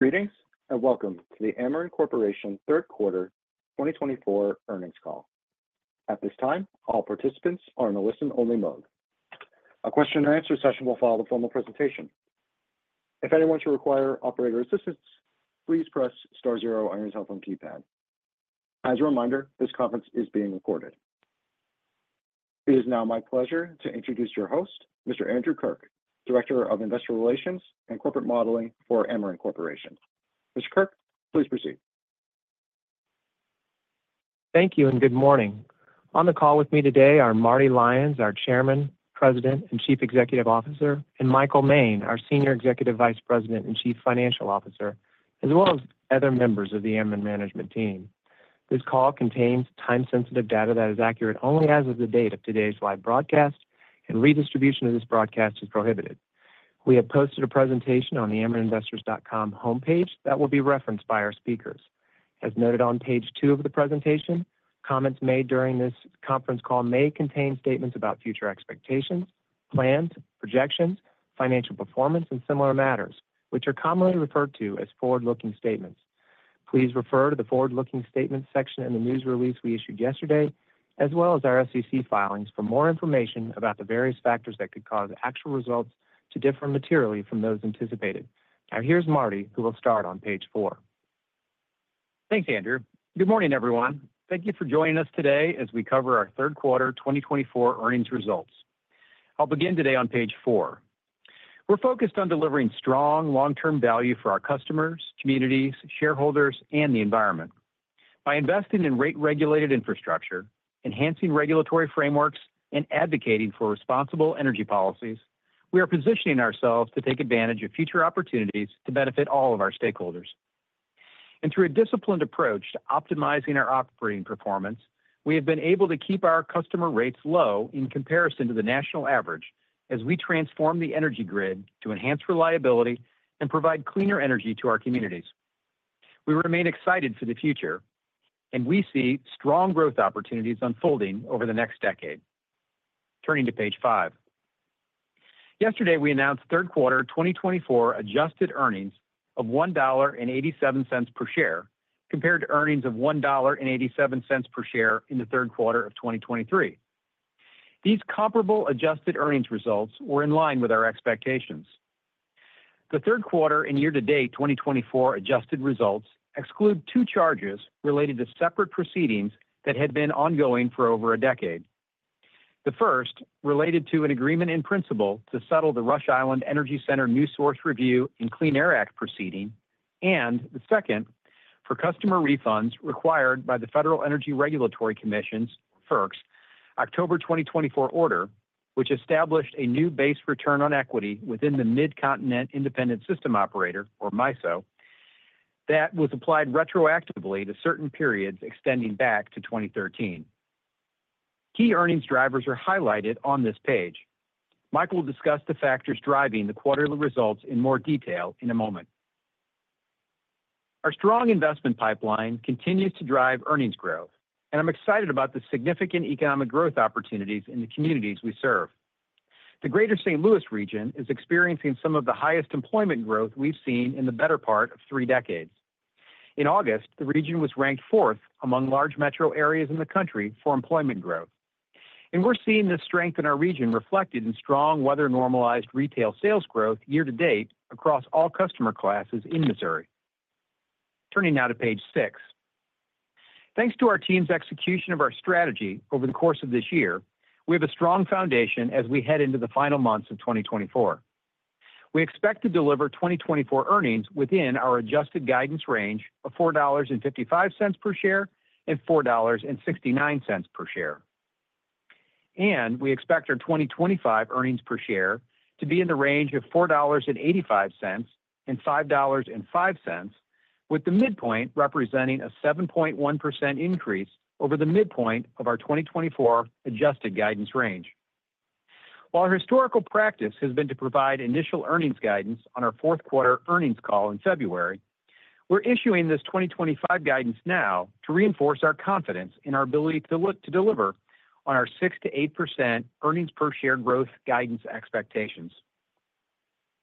Greetings and welcome to the Ameren Corporation Third Quarter 2024 earnings call. At this time, all participants are in a listen-only mode. A question-and-answer session will follow the formal presentation. If anyone should require operator assistance, please press star zero on your telephone keypad. As a reminder, this conference is being recorded. It is now my pleasure to introduce your host, Mr. Andrew Kirk, Director of Investor Relations and Corporate Modeling for Ameren Corporation. Mr. Kirk, please proceed. Thank you and good morning. On the call with me today are Marty Lyons, our Chairman, President, and Chief Executive Officer, and Michael Moehn, our Senior Executive Vice President and Chief Financial Officer, as well as other members of the Ameren management team. This call contains time-sensitive data that is accurate only as of the date of today's live broadcast, and redistribution of this broadcast is prohibited. We have posted a presentation on the amereninvestors.com homepage that will be referenced by our speakers. As noted on page two of the presentation, comments made during this conference call may contain statements about future expectations, plans, projections, financial performance, and similar matters, which are commonly referred to as forward-looking statements. Please refer to the forward-looking statements section in the news release we issued yesterday, as well as our SEC filings, for more information about the various factors that could cause actual results to differ materially from those anticipated. Now, here's Marty, who will start on page four. Thanks, Andrew. Good morning, everyone. Thank you for joining us today as we cover our third quarter 2024 earnings results. I'll begin today on page four. We're focused on delivering strong long-term value for our customers, communities, shareholders, and the environment. By investing in rate-regulated infrastructure, enhancing regulatory frameworks, and advocating for responsible energy policies, we are positioning ourselves to take advantage of future opportunities to benefit all of our stakeholders, and through a disciplined approach to optimizing our operating performance, we have been able to keep our customer rates low in comparison to the national average as we transform the energy grid to enhance reliability and provide cleaner energy to our communities. We remain excited for the future, and we see strong growth opportunities unfolding over the next decade. Turning to page five, yesterday we announced third quarter 2024 adjusted earnings of $1.87 per share compared to earnings of $1.87 per share in the third quarter of 2023. These comparable adjusted earnings results were in line with our expectations. The third quarter and year-to-date 2024 adjusted results exclude two charges related to separate proceedings that had been ongoing for over a decade. The first related to an agreement in principle to settle the Rush Island Energy Center New Source Review and Clean Air Act proceeding, and the second for customer refunds required by the Federal Energy Regulatory Commission's FERC's October 2024 order, which established a new base return on equity within the Midcontinent Independent System Operator, or MISO, that was applied retroactively to certain periods extending back to 2013. Key earnings drivers are highlighted on this page. Michael will discuss the factors driving the quarterly results in more detail in a moment. Our strong investment pipeline continues to drive earnings growth, and I'm excited about the significant economic growth opportunities in the communities we serve. The greater St. Louis region is experiencing some of the highest employment growth we've seen in the better part of three decades. In August, the region was ranked fourth among large metro areas in the country for employment growth, and we're seeing this strength in our region reflected in strong weather-normalized retail sales growth year-to-date across all customer classes in Missouri. Turning now to page six, thanks to our team's execution of our strategy over the course of this year, we have a strong foundation as we head into the final months of 2024. We expect to deliver 2024 earnings within our adjusted guidance range of $4.55 per share and $4.69 per share. And we expect our 2025 earnings per share to be in the range of $4.85 and $5.05, with the midpoint representing a 7.1% increase over the midpoint of our 2024 adjusted guidance range. While our historical practice has been to provide initial earnings guidance on our fourth quarter earnings call in February, we're issuing this 2025 guidance now to reinforce our confidence in our ability to deliver on our 6 to 8% earnings per share growth guidance expectations.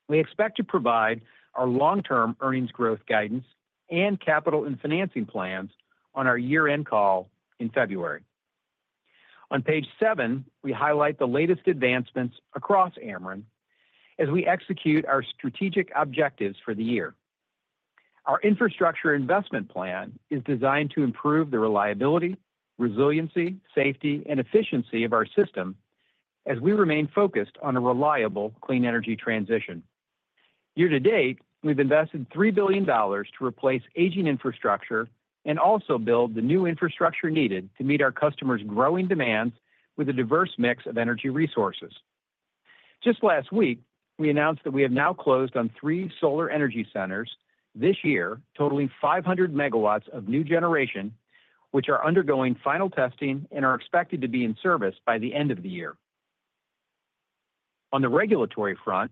We expect to provide our long-term earnings growth guidance and capital and financing plans on our year-end call in February. On page seven, we highlight the latest advancements across Ameren as we execute our strategic objectives for the year. Our infrastructure investment plan is designed to improve the reliability, resiliency, safety, and efficiency of our system as we remain focused on a reliable clean energy transition. Year-to-date, we've invested $3 billion to replace aging infrastructure and also build the new infrastructure needed to meet our customers' growing demands with a diverse mix of energy resources. Just last week, we announced that we have now closed on three solar energy centers this year, totaling 500 MW of new generation, which are undergoing final testing and are expected to be in service by the end of the year. On the regulatory front,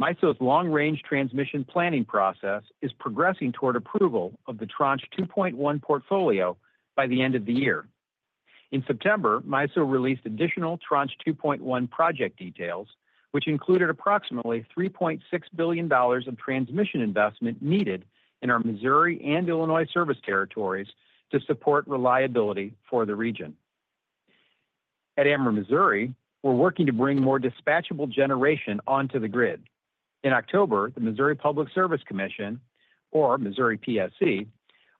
MISO's Long-Range Transmission Planning process is progressing toward approval of the Tranche 2.1 portfolio by the end of the year. In September, MISO released additional Tranche 2.1 project details, which included approximately $3.6 billion of transmission investment needed in our Missouri and Illinois service territories to support reliability for the region. At Ameren Missouri, we're working to bring more dispatchable generation onto the grid. In October, the Missouri Public Service Commission, or Missouri PSC,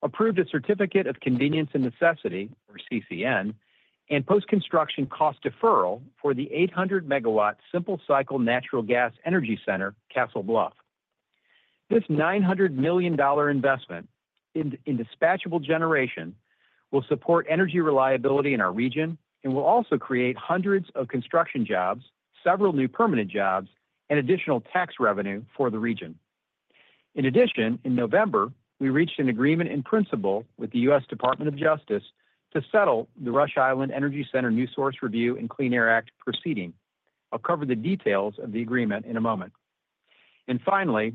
approved a Certificate of Convenience and Necessity, or CCN, and post-construction cost deferral for the 800 MW simple cycle natural gas energy center, Castle Bluff. This $900 million investment in dispatchable generation will support energy reliability in our region and will also create hundreds of construction jobs, several new permanent jobs, and additional tax revenue for the region. In addition, in November, we reached an agreement in principle with the U.S. Department of Justice to settle the Rush Island Energy Center New Source Review and Clean Air Act proceeding. I'll cover the details of the agreement in a moment, and finally,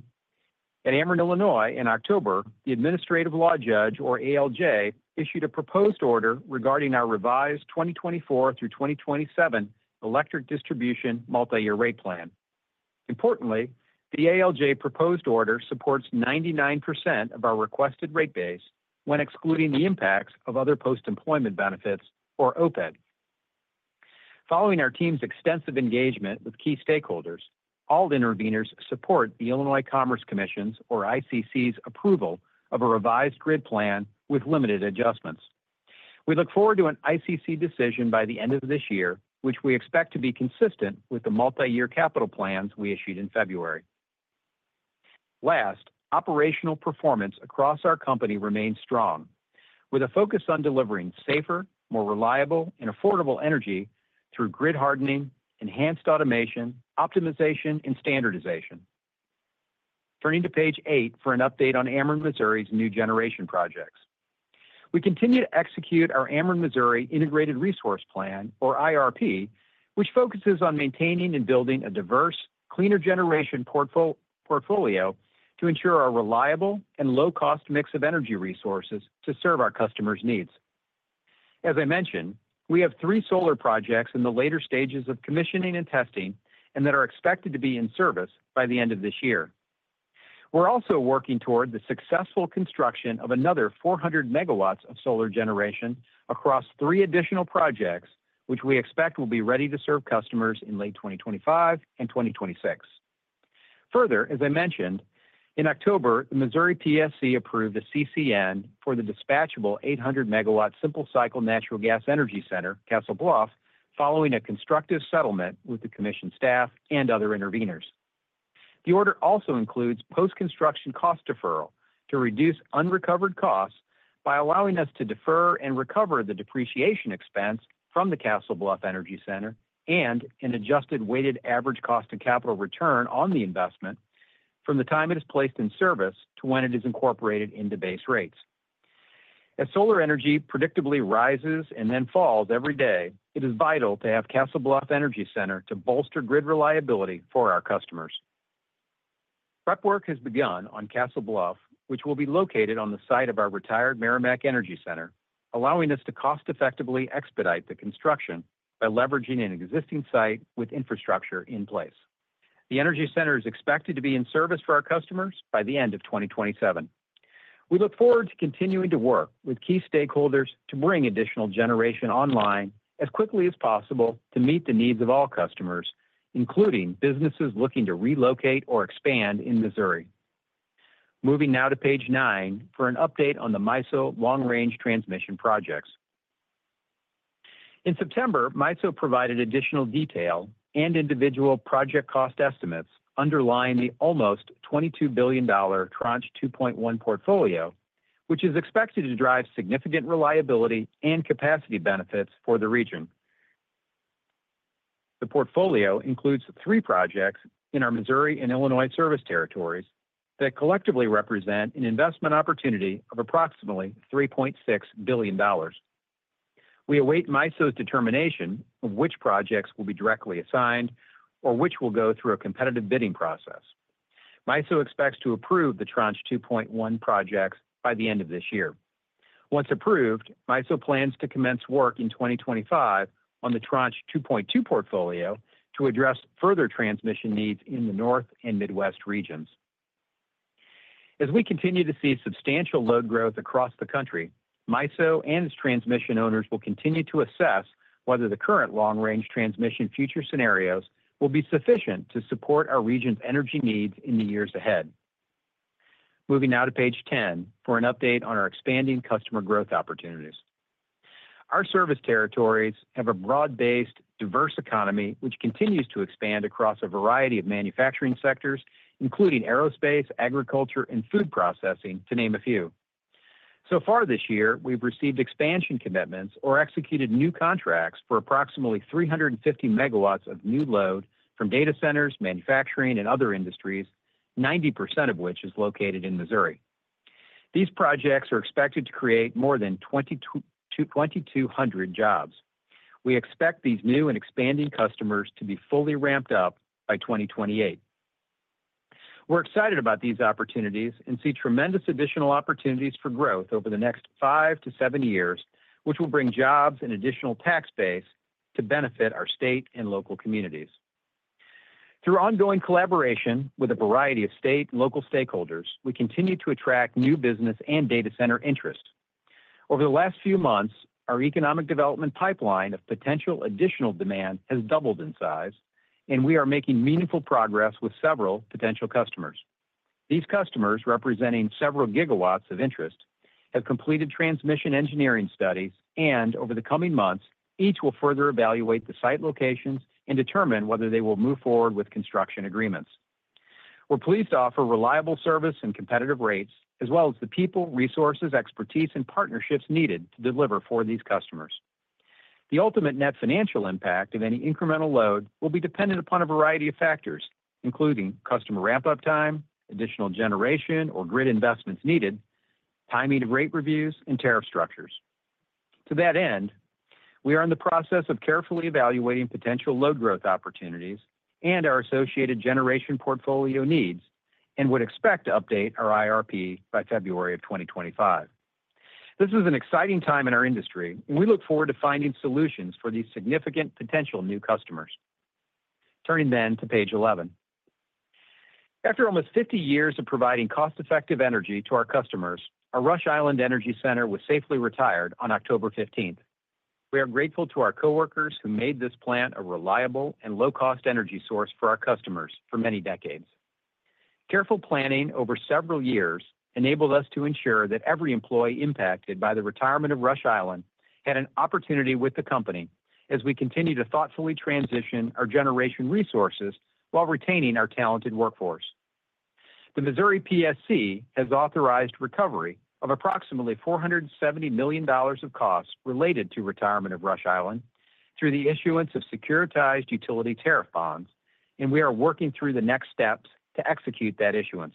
at Ameren Illinois, in October, the Administrative Law Judge, or ALJ, issued a proposed order regarding our revised 2024 through 2027 Electric Distribution Multi-Year Rate Plan. Importantly, the ALJ proposed order supports 99% of our requested rate base when excluding the impacts of other post-employment benefits, or OPEB. Following our team's extensive engagement with key stakeholders, all intervenors support the Illinois Commerce Commission's, or ICC's, approval of a revised Grid Plan with limited adjustments. We look forward to an ICC decision by the end of this year, which we expect to be consistent with the multi-year capital plans we issued in February. Last, operational performance across our company remains strong, with a focus on delivering safer, more reliable, and affordable energy through grid hardening, enhanced automation, optimization, and standardization. Turning to page eight for an update on Ameren Missouri's new generation projects. We continue to execute our Ameren Missouri Integrated Resource Plan, or IRP, which focuses on maintaining and building a diverse, cleaner generation portfolio to ensure a reliable and low-cost mix of energy resources to serve our customers' needs. As I mentioned, we have three solar projects in the later stages of commissioning and testing and that are expected to be in service by the end of this year. We're also working toward the successful construction of another 400 MW of solar generation across three additional projects, which we expect will be ready to serve customers in late 2025 and 2026. Further, as I mentioned, in October, the Missouri PSC approved a CCN for the dispatchable 800 MW simple cycle natural gas energy center, Castle Bluff, following a constructive settlement with the commission staff and other intervenors. The order also includes post-construction cost deferral to reduce unrecovered costs by allowing us to defer and recover the depreciation expense from the Castle Bluff Energy Center and an adjusted weighted average cost of capital return on the investment from the time it is placed in service to when it is incorporated into base rates. As solar energy predictably rises and then falls every day, it is vital to have Castle Bluff Energy Center to bolster grid reliability for our customers. Prep work has begun on Castle Bluff, which will be located on the site of our retired Meramec Energy Center, allowing us to cost-effectively expedite the construction by leveraging an existing site with infrastructure in place. The energy center is expected to be in service for our customers by the end of 2027. We look forward to continuing to work with key stakeholders to bring additional generation online as quickly as possible to meet the needs of all customers, including businesses looking to relocate or expand in Missouri. Moving now to page nine for an update on the MISO long-range transmission projects. In September, MISO provided additional detail and individual project cost estimates underlying the almost $22 billion Tranche 2.1 portfolio, which is expected to drive significant reliability and capacity benefits for the region. The portfolio includes three projects in our Missouri and Illinois service territories that collectively represent an investment opportunity of approximately $3.6 billion. We await MISO's determination of which projects will be directly assigned or which will go through a competitive bidding process. MISO expects to approve the Tranche 2.1 projects by the end of this year. Once approved, MISO plans to commence work in 2025 on the Tranche 2.2 portfolio to address further transmission needs in the North and Midwest regions. As we continue to see substantial load growth across the country, MISO and its transmission owners will continue to assess whether the current long-range transmission future scenarios will be sufficient to support our region's energy needs in the years ahead. Moving now to page 10 for an update on our expanding customer growth opportunities. Our service territories have a broad-based, diverse economy, which continues to expand across a variety of manufacturing sectors, including aerospace, agriculture, and food processing, to name a few. So far this year, we've received expansion commitments or executed new contracts for approximately 350 MW of new load from data centers, manufacturing, and other industries, 90% of which is located in Missouri. These projects are expected to create more than 2,200 jobs. We expect these new and expanding customers to be fully ramped up by 2028. We're excited about these opportunities and see tremendous additional opportunities for growth over the next five to seven years, which will bring jobs and additional tax base to benefit our state and local communities. Through ongoing collaboration with a variety of state and local stakeholders, we continue to attract new business and data center interest. Over the last few months, our economic development pipeline of potential additional demand has doubled in size, and we are making meaningful progress with several potential customers. These customers, representing several gigawatts of interest, have completed transmission engineering studies, and over the coming months, each will further evaluate the site locations and determine whether they will move forward with construction agreements. We're pleased to offer reliable service and competitive rates, as well as the people, resources, expertise, and partnerships needed to deliver for these customers. The ultimate net financial impact of any incremental load will be dependent upon a variety of factors, including customer ramp-up time, additional generation or grid investments needed, timing of rate reviews, and tariff structures. To that end, we are in the process of carefully evaluating potential load growth opportunities and our associated generation portfolio needs and would expect to update our IRP by February of 2025. This is an exciting time in our industry, and we look forward to finding solutions for these significant potential new customers. Turning then to page 11. After almost 50 years of providing cost-effective energy to our customers, our Rush Island Energy Center was safely retired on October 15th. We are grateful to our coworkers who made this plant a reliable and low-cost energy source for our customers for many decades. Careful planning over several years enabled us to ensure that every employee impacted by the retirement of Rush Island had an opportunity with the company as we continue to thoughtfully transition our generation resources while retaining our talented workforce. The Missouri PSC has authorized recovery of approximately $470 million of costs related to retirement of Rush Island through the issuance of securitized utility tariff bonds, and we are working through the next steps to execute that issuance.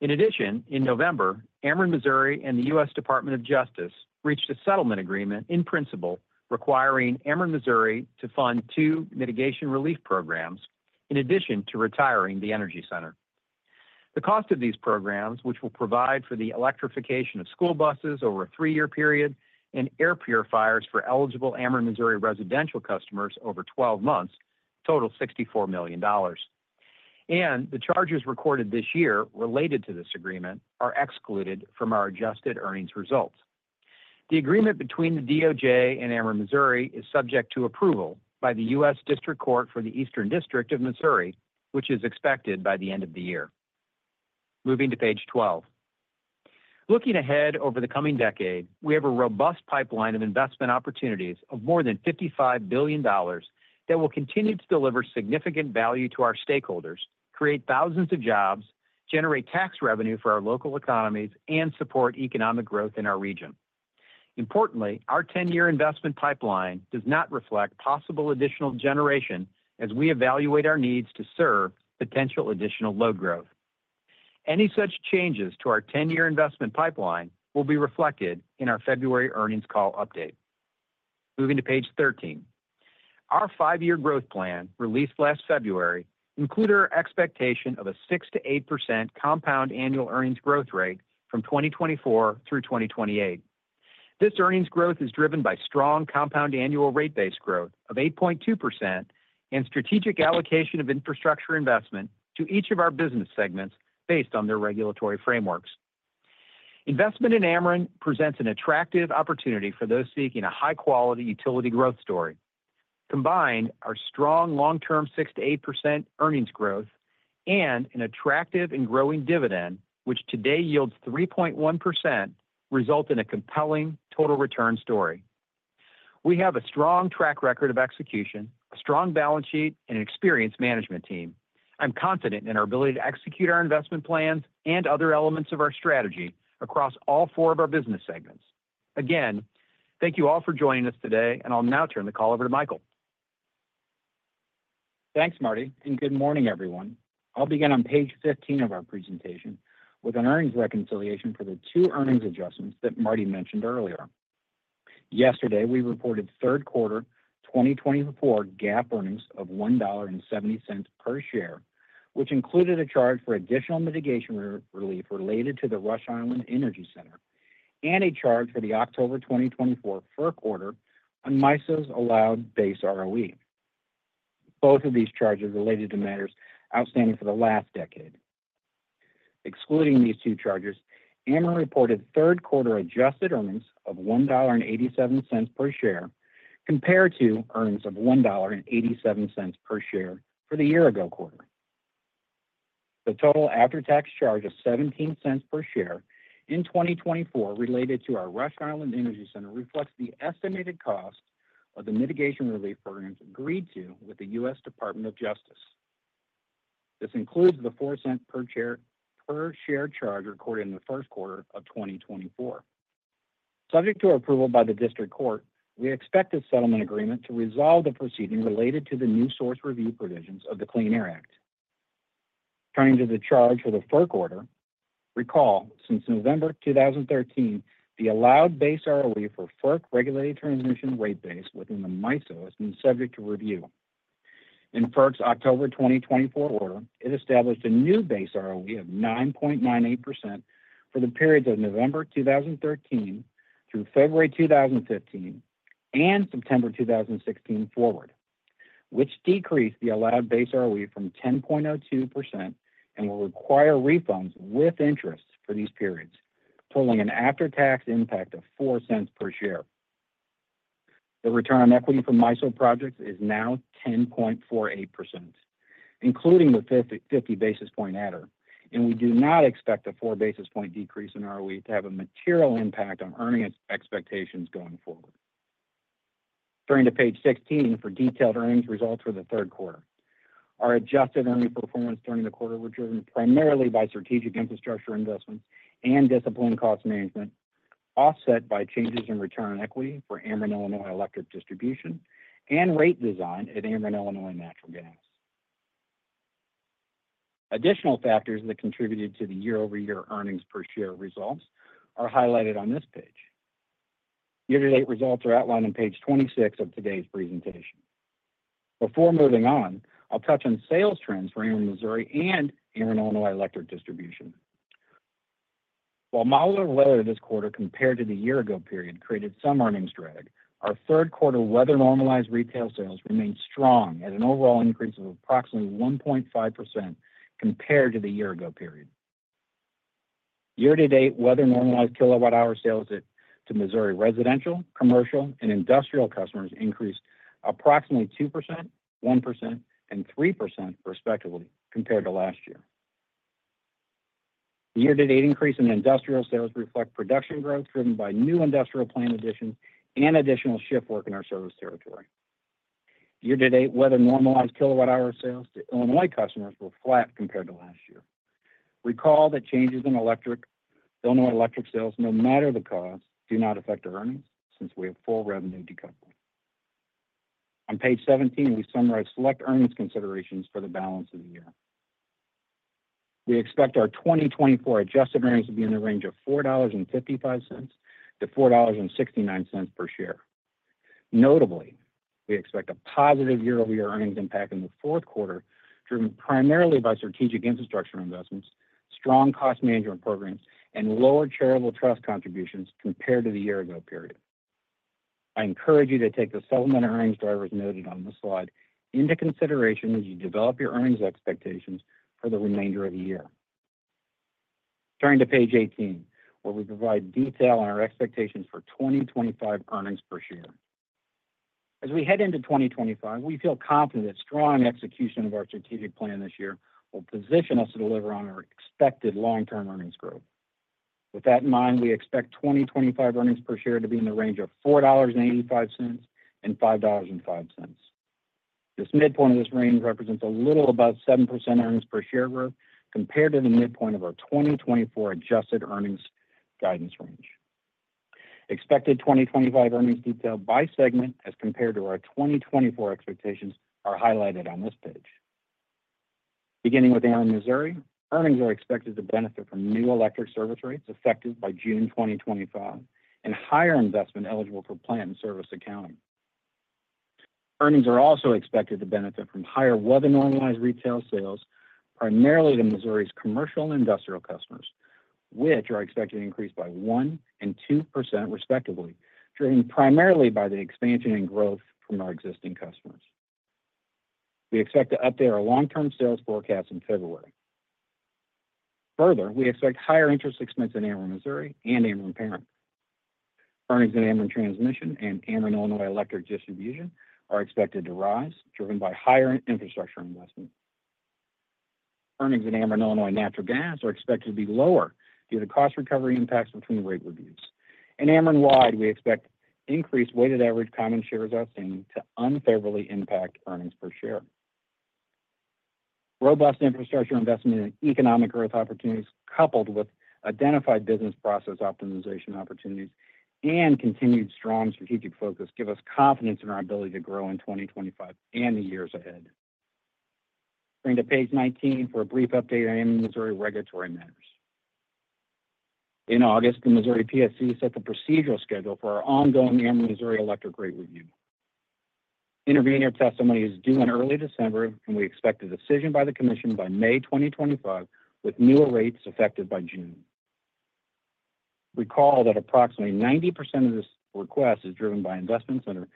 In addition, in November, Ameren Missouri and the U.S. Department of Justice reached a settlement agreement in principle requiring Ameren Missouri to fund two mitigation relief programs in addition to retiring the energy center. The cost of these programs, which will provide for the electrification of school buses over a three-year period and air purifiers for eligible Ameren Missouri residential customers over 12 months, total $64 million, and the charges recorded this year related to this agreement are excluded from our adjusted earnings results. The agreement between the DOJ and Ameren Missouri is subject to approval by the U.S. District Court for the Eastern District of Missouri, which is expected by the end of the year. Moving to page 12. Looking ahead over the coming decade, we have a robust pipeline of investment opportunities of more than $55 billion that will continue to deliver significant value to our stakeholders, create thousands of jobs, generate tax revenue for our local economies, and support economic growth in our region. Importantly, our 10-year investment pipeline does not reflect possible additional generation as we evaluate our needs to serve potential additional load growth. Any such changes to our 10-year investment pipeline will be reflected in our February earnings call update. Moving to page 13. Our five-year growth plan released last February included our expectation of a 6%-8% compound annual earnings growth rate from 2024 through 2028. This earnings growth is driven by strong compound annual rate base growth of 8.2% and strategic allocation of infrastructure investment to each of our business segments based on their regulatory frameworks. Investment in Ameren presents an attractive opportunity for those seeking a high-quality utility growth story. Combined, our strong long-term 6%-8% earnings growth and an attractive and growing dividend, which today yields 3.1%, result in a compelling total return story. We have a strong track record of execution, a strong balance sheet, and an experienced management team. I'm confident in our ability to execute our investment plans and other elements of our strategy across all four of our business segments. Again, thank you all for joining us today, and I'll now turn the call over to Michael. Thanks, Marty, and good morning, everyone. I'll begin on page 15 of our presentation with an earnings reconciliation for the two earnings adjustments that Marty mentioned earlier. Yesterday, we reported third quarter 2024 GAAP earnings of $1.70 per share, which included a charge for additional mitigation relief related to the Rush Island Energy Center and a charge for the October 2024 FERC order on MISO's allowed base ROE. Both of these charges related to matters outstanding for the last decade. Excluding these two charges, Ameren reported third quarter adjusted earnings of $1.87 per share compared to earnings of $1.87 per share for the year-ago quarter. The total after-tax charge of $0.17 per share in 2024 related to our Rush Island Energy Center reflects the estimated cost of the mitigation relief programs agreed to with the U.S. Department of Justice. This includes the $0.04 per share charge recorded in the first quarter of 2024. Subject to approval by the district court, we expect a settlement agreement to resolve the proceeding related to the new source review provisions of the Clean Air Act. Turning to the charge for the FERC order, recall, since November 2013, the allowed base ROE for FERC regulated transmission rate base within the MISO has been subject to review. In FERC's October 2024 order, it established a new base ROE of 9.98% for the periods of November 2013 through February 2015 and September 2016 forward, which decreased the allowed base ROE from 10.02% and will require refunds with interest for these periods, totaling an after-tax impact of $0.04 per share. The return on equity for MISO projects is now 10.48%, including the 50 basis point adder, and we do not expect a 4 basis point decrease in ROE to have a material impact on earnings expectations going forward. Turning to page 16 for detailed earnings results for the third quarter. Our adjusted earnings performance during the quarter was driven primarily by strategic infrastructure investments and disciplined cost management, offset by changes in return on equity for Ameren Illinois Electric Distribution and rate design at Ameren Illinois Natural Gas. Additional factors that contributed to the year-over-year earnings per share results are highlighted on this page. Year-to-date results are outlined on page 26 of today's presentation. Before moving on, I'll touch on sales trends for Ameren Missouri and Ameren Illinois Electric Distribution. While milder weather this quarter compared to the year-ago period created some earnings drag, our third quarter weather-normalized retail sales remained strong at an overall increase of approximately 1.5% compared to the year-ago period. Year-to-date weather-normalized kilowatt-hour sales to Missouri residential, commercial, and industrial customers increased approximately 2%, 1%, and 3%, respectively, compared to last year. The year-to-date increase in industrial sales reflects production growth driven by new industrial plant additions and additional shift work in our service territory. Year-to-date weather-normalized kilowatt-hour sales to Illinois customers were flat compared to last year. Recall that changes in Illinois Electric sales, no matter the cause, do not affect our earnings since we have full revenue decoupled. On page 17, we summarize select earnings considerations for the balance of the year. We expect our 2024 adjusted earnings to be in the range of $4.55-$4.69 per share. Notably, we expect a positive year-over-year earnings impact in the fourth quarter, driven primarily by strategic infrastructure investments, strong cost management programs, and lower charitable trust contributions compared to the year-ago period. I encourage you to take the supplemental earnings drivers noted on the slide into consideration as you develop your earnings expectations for the remainder of the year. Turning to page 18, where we provide detail on our expectations for 2025 earnings per share. As we head into 2025, we feel confident that strong execution of our strategic plan this year will position us to deliver on our expected long-term earnings growth. With that in mind, we expect 2025 earnings per share to be in the range of $4.85-$5.05. This midpoint of this range represents a little above 7% earnings per share growth compared to the midpoint of our 2024 adjusted earnings guidance range. Expected 2025 earnings detail by segment as compared to our 2024 expectations are highlighted on this page. Beginning with Ameren Missouri, earnings are expected to benefit from new electric service rates effective by June 2025 and higher investment eligible for plant-in-service accounting. Earnings are also expected to benefit from higher weather-normalized retail sales, primarily to Missouri's commercial and industrial customers, which are expected to increase by one and 2%, respectively, driven primarily by the expansion and growth from our existing customers. We expect to update our long-term sales forecast in February. Further, we expect higher interest expense in Ameren Missouri and Ameren Parent. Earnings in Ameren Transmission and Ameren Illinois Electric Distribution are expected to rise, driven by higher infrastructure investment. Earnings in Ameren Illinois Natural Gas are expected to be lower due to cost recovery impacts between rate reviews. In Ameren-wide, we expect increased weighted average common shares outstanding to unfavorably impact earnings per share. Robust infrastructure investment and economic growth opportunities, coupled with identified business process optimization opportunities and continued strong strategic focus, give us confidence in our ability to grow in 2025 and the years ahead. Turning to page 19 for a brief update on Ameren Missouri regulatory matters. In August, the Missouri PSC set the procedural schedule for our ongoing Ameren Missouri Electric rate review. Intervenor testimony is due in early December, and we expect a decision by the commission by May 2025, with newer rates effective by June. Recall that approximately 90% of this request is driven by investments under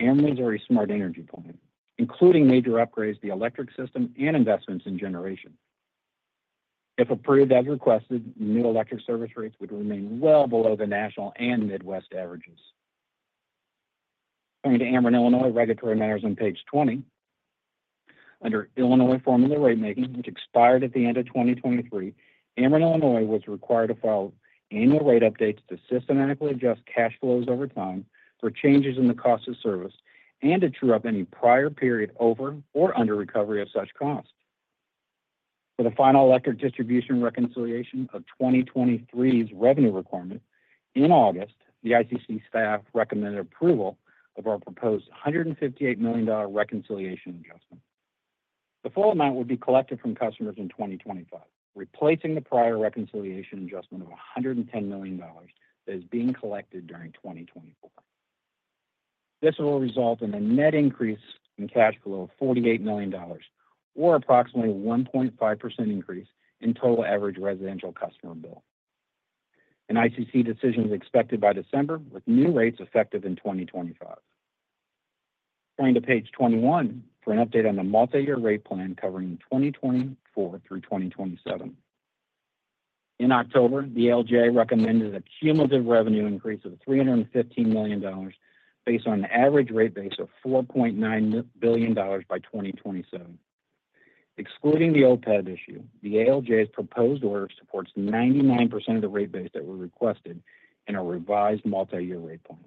Ameren Missouri Smart Energy Plan, including major upgrades to the electric system and investments in generation. If approved as requested, new electric service rates would remain well below the national and Midwest averages. Turning to Ameren Illinois regulatory matters on page 20. Under Illinois formula rate-making, which expired at the end of 2023, Ameren Illinois was required to file annual rate updates to systematically adjust cash flows over time for changes in the cost of service and to true up any prior period over or under recovery of such cost. For the final electric distribution reconciliation of 2023's revenue requirement, in August, the ICC staff recommended approval of our proposed $158 million reconciliation adjustment. The full amount will be collected from customers in 2025, replacing the prior reconciliation adjustment of $110 million that is being collected during 2024. This will result in a net increase in cash flow of $48 million, or approximately a 1.5% increase in total average residential customer bill. An ICC decision is expected by December, with new rates effective in 2025. Turning to page 21 for an update on the multi-year rate plan covering 2024 through 2027. In October, the ALJ recommended a cumulative revenue increase of $315 million based on an average rate base of $4.9 billion by 2027. Excluding the OPEB issue, the ALJ's proposed order supports 99% of the rate base that were requested in our revised multi-year rate plan.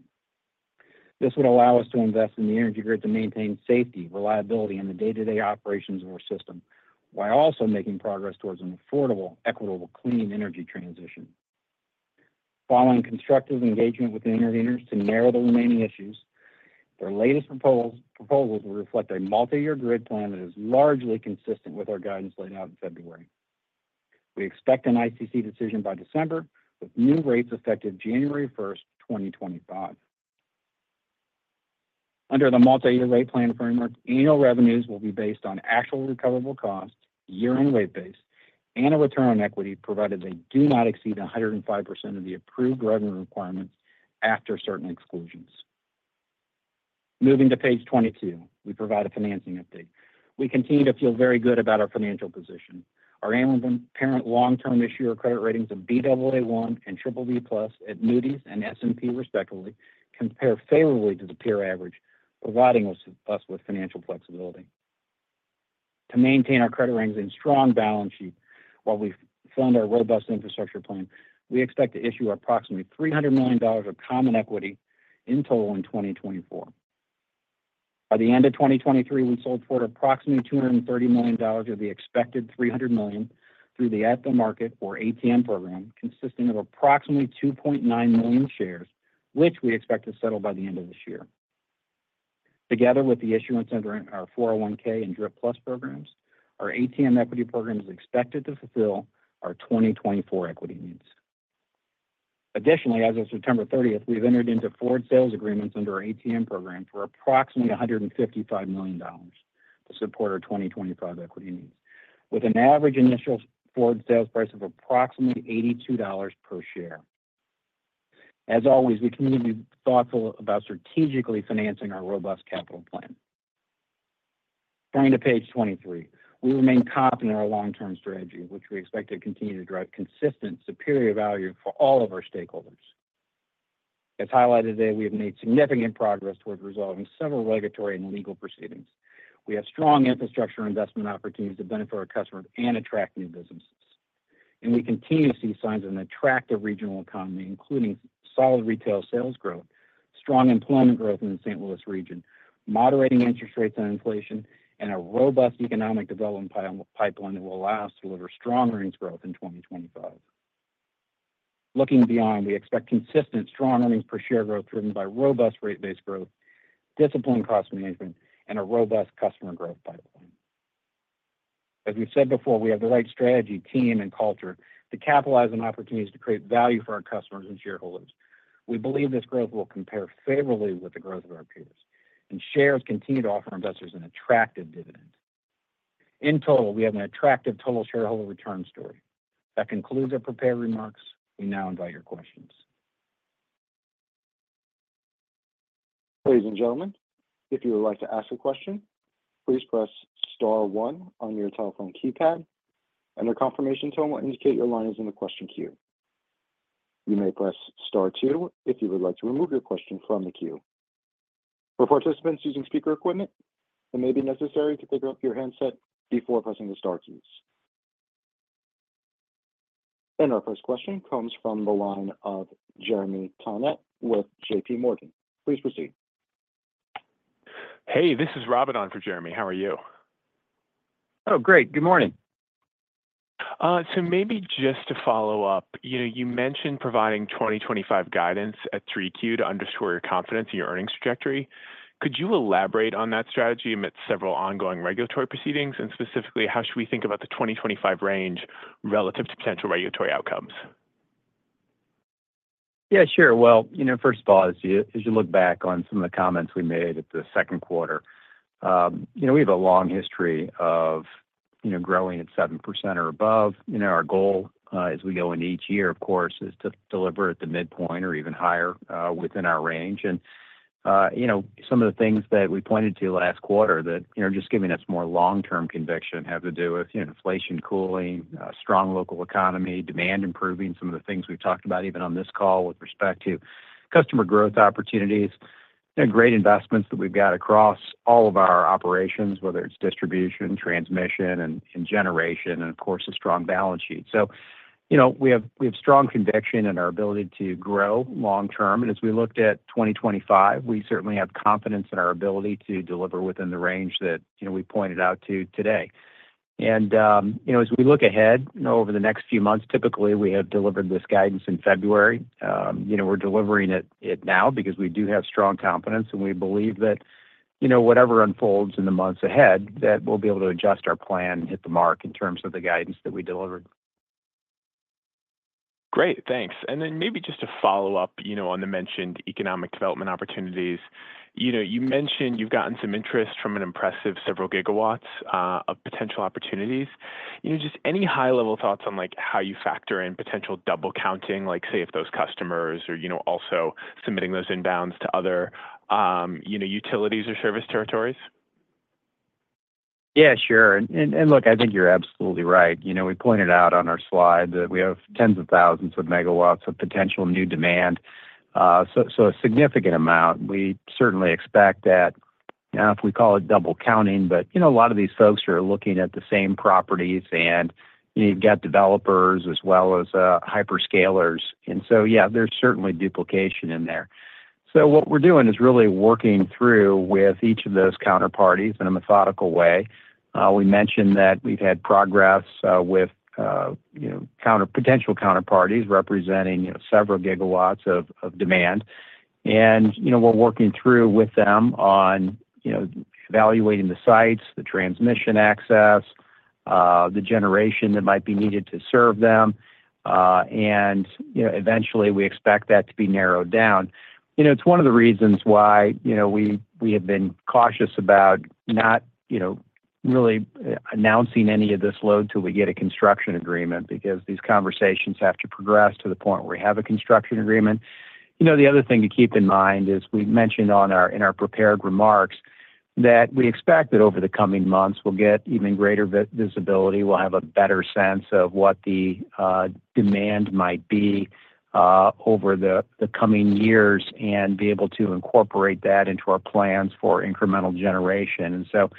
This would allow us to invest in the energy grid to maintain safety, reliability, and the day-to-day operations of our system, while also making progress towards an affordable, equitable, clean energy transition. Following constructive engagement with the intervenors to narrow the remaining issues, their latest proposals will reflect a multi-year grid plan that is largely consistent with our guidance laid out in February. We expect an ICC decision by December, with new rates effective January 1st, 2025. Under the multi-year rate plan framework, annual revenues will be based on actual recoverable costs, year-end rate base, and a return on equity provided they do not exceed 105% of the approved revenue requirements after certain exclusions. Moving to page 22, we provide a financing update. We continue to feel very good about our financial position. Our Ameren Parent long-term issuer credit ratings of Baa1 and BBB+ at Moody's and S&P, respectively, compare favorably to the peer average, providing us with financial flexibility. To maintain our credit ratings and a strong balance sheet while we fund our robust infrastructure plan, we expect to issue approximately $300 million of common equity in total in 2024. By the end of 2023, we sold for approximately $230 million of the expected $300 million through the At the Market or ATM program, consisting of approximately 2.9 million shares, which we expect to settle by the end of this year. Together with the issuance under our 401(k) and DRIP Plus programs, our ATM equity program is expected to fulfill our 2024 equity needs. Additionally, as of September 30th, we've entered into forward sales agreements under our ATM program for approximately $155 million to support our 2025 equity needs, with an average initial forward sales price of approximately $82 per share. As always, we continue to be thoughtful about strategically financing our robust capital plan. Turning to page 23, we remain confident in our long-term strategy, which we expect to continue to drive consistent superior value for all of our stakeholders. As highlighted today, we have made significant progress towards resolving several regulatory and legal proceedings. We have strong infrastructure investment opportunities to benefit our customers and attract new businesses, and we continue to see signs of an attractive regional economy, including solid retail sales growth, strong employment growth in the St. Louis region, moderating interest rates on inflation, and a robust economic development pipeline that will allow us to deliver strong earnings growth in 2025. Looking beyond, we expect consistent strong earnings per share growth driven by robust rate-based growth, disciplined cost management, and a robust customer growth pipeline. As we've said before, we have the right strategy, team, and culture to capitalize on opportunities to create value for our customers and shareholders. We believe this growth will compare favorably with the growth of our peers, and shares continue to offer investors an attractive dividend. In total, we have an attractive total shareholder return story. That concludes our prepared remarks. We now invite your questions. Ladies and gentlemen, if you would like to ask a question, please press Star 1 on your telephone keypad. Under Confirmation tone, we'll indicate your line is in the question queue. You may press Star 2 if you would like to remove your question from the queue. For participants using speaker equipment, it may be necessary to pick up your handset before pressing the Star keys. Our first question comes from the line of Jeremy Tonet with JPMorgan. Please proceed. Hey, this is Robin on for Jeremy. How are you? Oh, great. Good morning. So maybe just to follow up, you mentioned providing 2025 guidance at 3Q to underscore your confidence in your earnings trajectory. Could you elaborate on that strategy amidst several ongoing regulatory proceedings? Specifically, how should we think about the 2025 range relative to potential regulatory outcomes? Yeah, sure. Well, first of all, as you look back on some of the comments we made at the second quarter, we have a long history of growing at 7% or above. Our goal, as we go in each year, of course, is to deliver at the midpoint or even higher within our range. And some of the things that we pointed to last quarter that are just giving us more long-term conviction have to do with inflation cooling, strong local economy, demand improving, some of the things we've talked about even on this call with respect to customer growth opportunities, great investments that we've got across all of our operations, whether it's distribution, transmission, and generation, and of course, a strong balance sheet. So we have strong conviction in our ability to grow long-term. And as we looked at 2025, we certainly have confidence in our ability to deliver within the range that we pointed out today. And as we look ahead over the next few months, typically, we have delivered this guidance in February. We're delivering it now because we do have strong confidence, and we believe that whatever unfolds in the months ahead, that we'll be able to adjust our plan and hit the mark in terms of the guidance that we delivered. Great. Thanks. And then maybe just to follow up on the mentioned economic development opportunities, you mentioned you've gotten some interest from an impressive several gigawatts of potential opportunities. Just any high-level thoughts on how you factor in potential double counting, like say, if those customers are also submitting those inbounds to other utilities or service territories? Yeah, sure. And look, I think you're absolutely right. We pointed out on our slide that we have tens of thousands of MWs of potential new demand, so a significant amount. We certainly expect that now, if we call it double counting, but a lot of these folks are looking at the same properties, and you've got developers as well as hyperscalers, and so, yeah, there's certainly duplication in there, so what we're doing is really working through with each of those counterparties in a methodical way. We mentioned that we've had progress with potential counterparties representing several gigawatts of demand, and we're working through with them on evaluating the sites, the transmission access, the generation that might be needed to serve them, and eventually, we expect that to be narrowed down. It's one of the reasons why we have been cautious about not really announcing any of this load till we get a construction agreement because these conversations have to progress to the point where we have a construction agreement. The other thing to keep in mind is we mentioned in our prepared remarks that we expect that over the coming months, we'll get even greater visibility. We'll have a better sense of what the demand might be over the coming years and be able to incorporate that into our plans for incremental generation. And so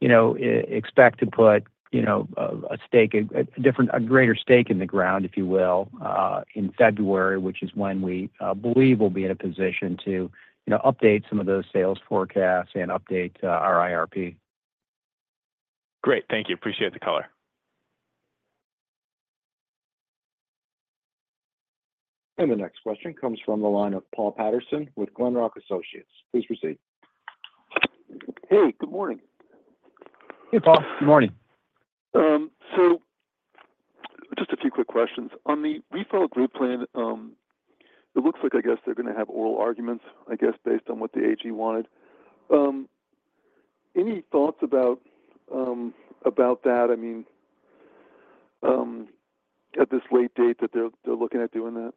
expect to put a greater stake in the ground, if you will, in February, which is when we believe we'll be in a position to update some of those sales forecasts and update our IRP. Great. Thank you. Appreciate the color. And the next question comes from the line of Paul Patterson with Glenrock Associates. Please proceed. Hey, good morning. Hey, Paul. Good morning. So just a few quick questions. On the Smart Energy Plan, it looks like, I guess, they're going to have oral arguments, I guess, based on what the AG wanted. Any thoughts about that, I mean, at this late date that they're looking at doing that?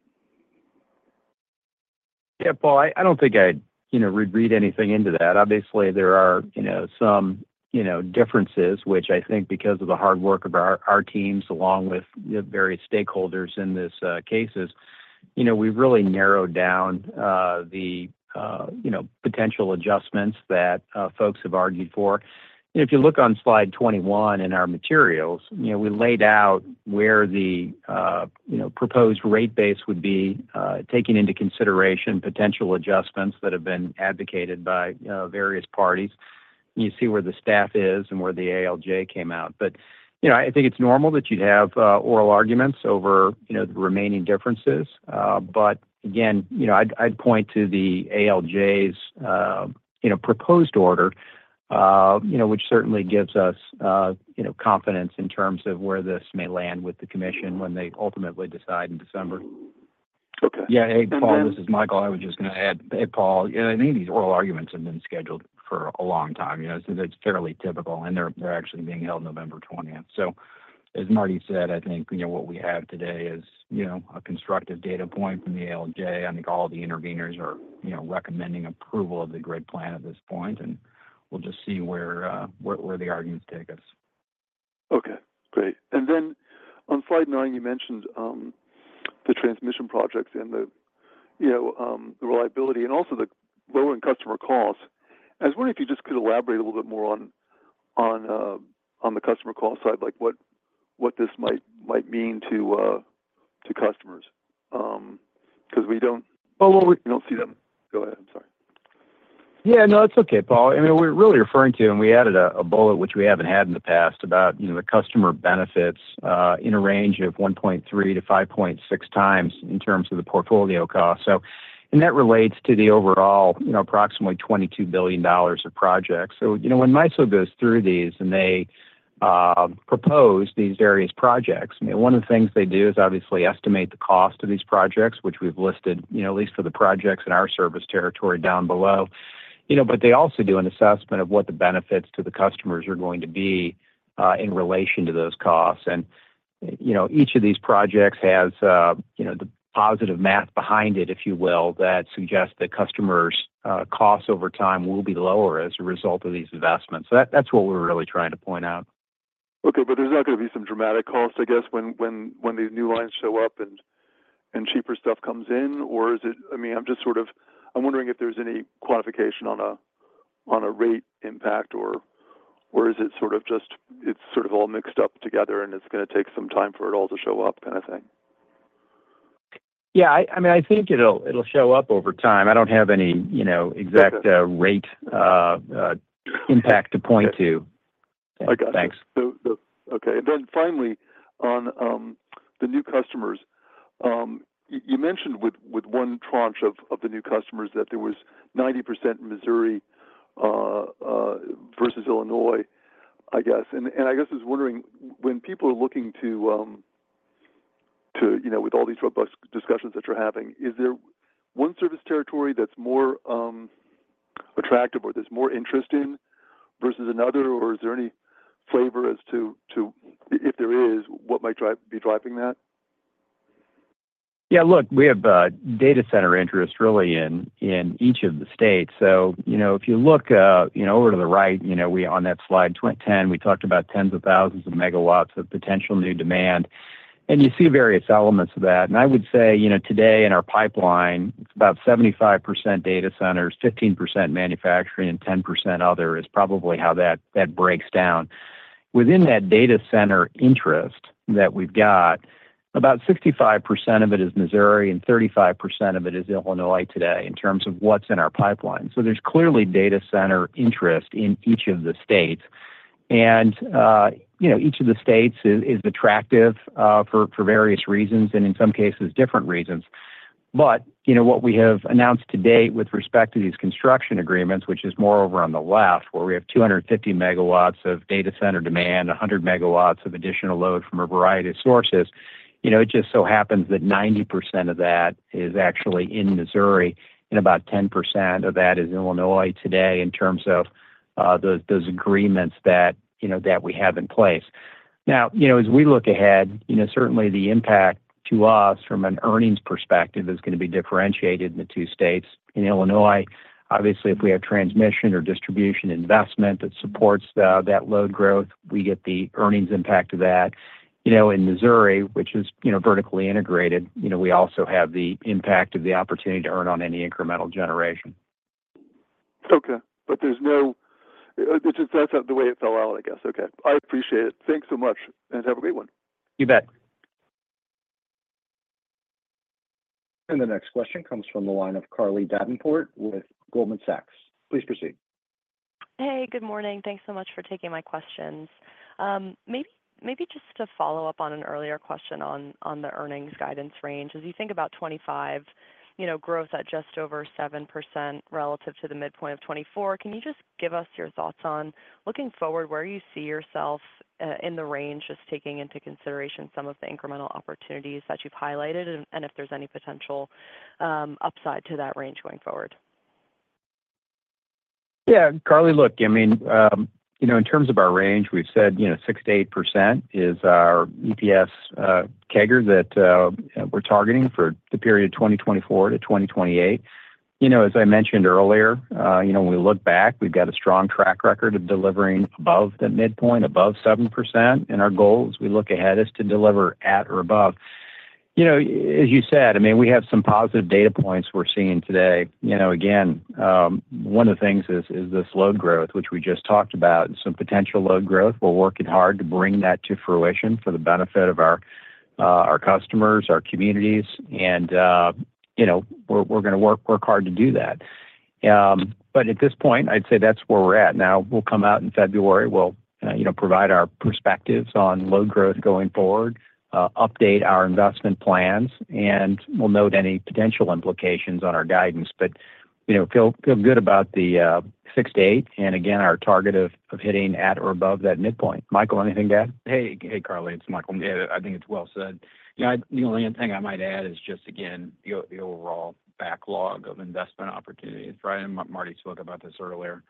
Yeah, Paul, I don't think I'd read anything into that. Obviously, there are some differences, which I think because of the hard work of our teams along with various stakeholders in this case, we've really narrowed down the potential adjustments that folks have argued for. If you look on slide 21 in our materials, we laid out where the proposed rate base would be, taking into consideration potential adjustments that have been advocated by various parties. You see where the staff is and where the ALJ came out. But I think it's normal that you'd have oral arguments over the remaining differences. But again, I'd point to the ALJ's proposed order, which certainly gives us confidence in terms of where this may land with the commission when they ultimately decide in December. Okay. Yeah. Hey, Paul, this is Michael. I was just going to add, hey, Paul, I think these oral arguments have been scheduled for a long time. It's fairly typical, and they're actually being held November 20th. So as Marty said, I think what we have today is a constructive data point from the ALJ. I think all the intervenors are recommending approval of the grid plan at this point. And we'll just see where the arguments take us. Okay. Great. And then on slide 9, you mentioned the transmission projects and the reliability and also the lowering customer costs. I was wondering if you just could elaborate a little bit more on the customer cost side, like what this might mean to customers because we don't see them. Go ahead. I'm sorry. Yeah. No, that's okay, Paul. I mean, we're really referring to, and we added a bullet, which we haven't had in the past, about the customer benefits in a range of 1.3 to 5.6 times in terms of the portfolio cost. So and that relates to the overall approximately $22 billion of projects. So when MISO goes through these and they propose these various projects, I mean, one of the things they do is obviously estimate the cost of these projects, which we've listed at least for the projects in our service territory down below. But they also do an assessment of what the benefits to the customers are going to be in relation to those costs. And each of these projects has the positive math behind it, if you will, that suggests that customers' costs over time will be lower as a result of these investments. That's what we're really trying to point out. Okay. But there's not going to be some dramatic costs, I guess, when these new lines show up and cheaper stuff comes in? Or is it, I mean, I'm just sort of wondering if there's any quantification on a rate impact, or is it sort of just it's sort of all mixed up together, and it's going to take some time for it all to show up kind of thing? Yeah. I mean, I think it'll show up over time. I don't have any exact rate impact to point to. Thanks. Okay. And then finally, on the new customers, you mentioned with one tranche of the new customers that there was 90% Missouri versus Illinois, I guess. And I guess I was wondering, when people are looking to, with all these robust discussions that you're having, is there one service territory that's more attractive or there's more interest in versus another, or is there any flavor as to, if there is, what might be driving that? Yeah. Look, we have data center interest really in each of the states. So if you look over to the right, on that slide 10, we talked about tens of thousands of MW of potential new demand. And you see various elements of that. And I would say today in our pipeline, it's about 75% data centers, 15% manufacturing, and 10% other is probably how that breaks down. Within that data center interest that we've got, about 65% of it is Missouri, and 35% of it is Illinois today in terms of what's in our pipeline, so there's clearly data center interest in each of the states, and each of the states is attractive for various reasons and in some cases, different reasons, but what we have announced to date with respect to these construction agreements, which is more over on the left, where we have 250 MW of data center demand, 100 MW of additional load from a variety of sources, it just so happens that 90% of that is actually in Missouri, and about 10% of that is Illinois today in terms of those agreements that we have in place. Now, as we look ahead, certainly the impact to us from an earnings perspective is going to be differentiated in the two states. In Illinois, obviously, if we have transmission or distribution investment that supports that load growth, we get the earnings impact of that. In Missouri, which is vertically integrated, we also have the impact of the opportunity to earn on any incremental generation. Okay. But that's not the way it fell out, I guess. Okay. I appreciate it. Thanks so much, and have a great one. You bet. And the next question comes from the line of Carly Davenport with Goldman Sachs. Please proceed. Hey, good morning. Thanks so much for taking my questions. Maybe just to follow up on an earlier question on the earnings guidance range. As you think about 2025, growth at just over 7% relative to the midpoint of 2024, can you just give us your thoughts on looking forward where you see yourself in the range, just taking into consideration some of the incremental opportunities that you've highlighted and if there's any potential upside to that range going forward? Yeah. Carly, look, I mean, in terms of our range, we've said 6%-8% is our EPS CAGR that we're targeting for the period of 2024 to 2028. As I mentioned earlier, when we look back, we've got a strong track record of delivering above that midpoint, above 7%. And our goal as we look ahead is to deliver at or above. As you said, I mean, we have some positive data points we're seeing today. Again, one of the things is this load growth, which we just talked about, and some potential load growth. We're working hard to bring that to fruition for the benefit of our customers, our communities, and we're going to work hard to do that. But at this point, I'd say that's where we're at. Now, we'll come out in February. We'll provide our perspectives on load growth going forward, update our investment plans, and we'll note any potential implications on our guidance. But feel good about the 6 to 8 and, again, our target of hitting at or above that midpoint. Michael, anything to add? Hey, Carly, it's Michael. I think it's well said. The only thing I might add is just, again, the overall backlog of investment opportunities, right? And Marty spoke about this earlier.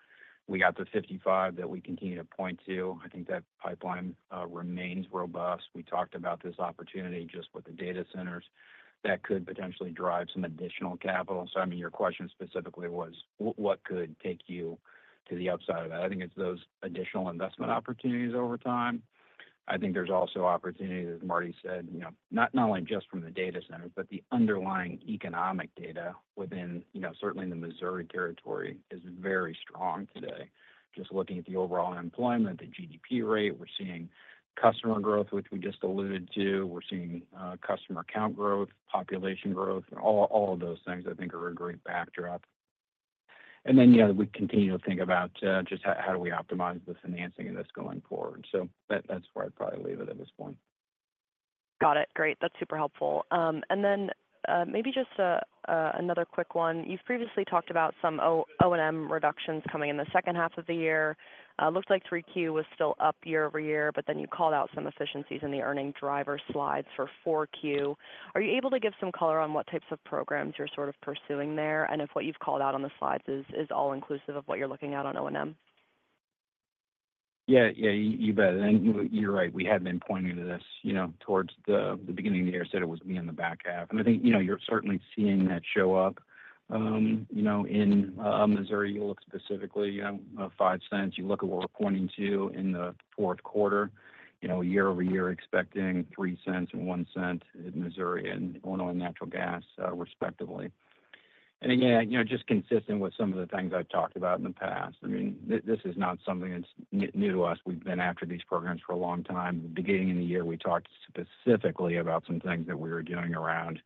We got the 55 that we continue to point to. I think that pipeline remains robust. We talked about this opportunity just with the data centers that could potentially drive some additional capital. So, I mean, your question specifically was, what could take you to the upside of that? I think it's those additional investment opportunities over time. I think there's also opportunity, as Marty said, not only just from the data centers, but the underlying economic data within, certainly in the Missouri territory, is very strong today. Just looking at the overall unemployment, the GDP rate, we're seeing customer growth, which we just alluded to. We're seeing customer count growth, population growth. All of those things, I think, are a great backdrop, and then we continue to think about just how do we optimize the financing of this going forward. So that's where I'd probably leave it at this point. Got it. Great. That's super helpful. And then maybe just another quick one. You've previously talked about some O&M reductions coming in the second half of the year. It looked like 3Q was still up year over year, but then you called out some efficiencies in the earnings driver slides for 4Q. Are you able to give some color on what types of programs you're sort of pursuing there? And if what you've called out on the slides is all inclusive of what you're looking at on O&M? Yeah. Yeah. You bet. And you're right. We had been pointing to this towards the beginning of the year. I said it was in the back half. And I think you're certainly seeing that show up in Missouri. You look specifically at $0.05. You look at what we're pointing to in the fourth quarter, year over year, expecting $0.03 and $0.01 in Missouri and Illinois natural gas, respectively. And again, just consistent with some of the things I've talked about in the past. I mean, this is not something that's new to us. We've been after these programs for a long time. At the beginning of the year, we talked specifically about some things that we were doing around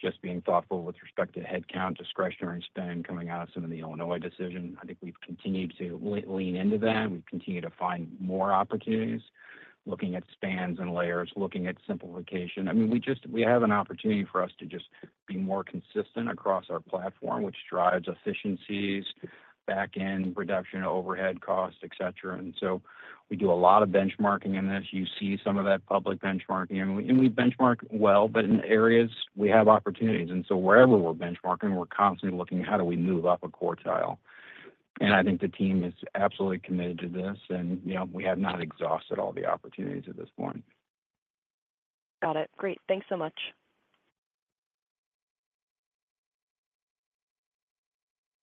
just being thoughtful with respect to headcount, discretionary spend coming out of some of the Illinois decision. I think we've continued to lean into that. We've continued to find more opportunities, looking at spans and layers, looking at simplification. I mean, we have an opportunity for us to just be more consistent across our platform, which drives efficiencies, back-end reduction, overhead costs, etc. We do a lot of benchmarking in this. You see some of that public benchmarking. We benchmark well, but in areas we have opportunities. Wherever we're benchmarking, we're constantly looking, how do we move up a quartile? I think the team is absolutely committed to this, and we have not exhausted all the opportunities at this point. Got it. Great. Thanks so much.